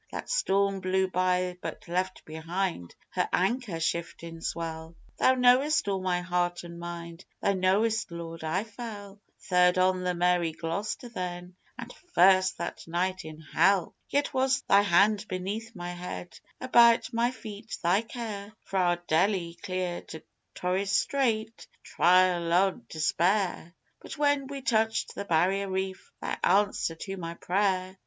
That storm blew by but left behind her anchor shiftin' swell, Thou knowest all my heart an' mind, Thou knowest, Lord, I fell. Third on the Mary Gloster then, and first that night in Hell! Yet was Thy hand beneath my head: about my feet Thy care Fra' Deli clear to Torres Strait, the trial o' despair, But when we touched the Barrier Reef Thy answer to my prayer!